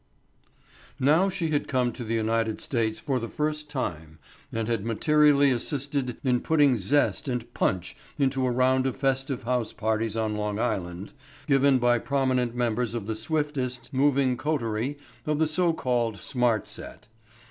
Now she had come to the United States for the first time and had materially assisted in putting zest and "punch" into a round of festive house parties on Long Island given by prominent members of the swiftest moving coterie of the so called smart set.